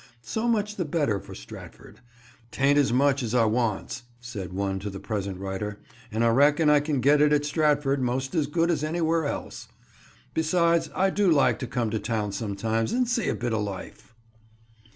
So much the better for Stratford. "'Tain't much as I waants," said one to the present writer, "an' I rackon I can get it at Stratford 'most as good as anywheer else. Besides, I du like to come to town sometimes, an' see a bit of life."